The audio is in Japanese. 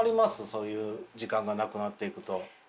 そういう時間がなくなっていくと。